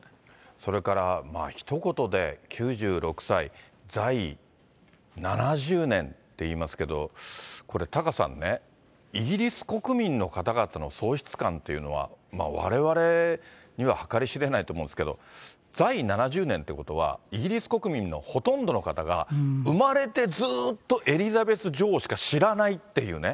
それからひと言で９６歳、在位７０年って言いますけど、これタカさんね、イギリス国民の方々の喪失感というのは、われわれには計り知れないと思うんですけど、在位７０年ってことは、イギリス国民のほとんどの方が、生まれてずっとエリザベス女王しか知らないっていうね。